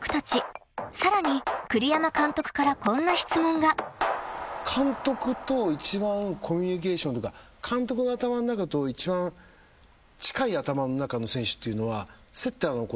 ［さらに栗山監督からこんな質問が］監督と一番コミュニケーションというか監督の頭の中と一番近い頭の中の選手っていうのはセッターの子だったり。